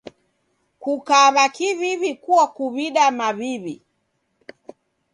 Kukaw'a kiw'iw'i kuakuw'ida maw'iw'i.